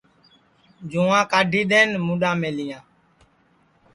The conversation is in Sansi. جُوںٚئا کاڈھی دؔئن مُڈؔا مِلیاں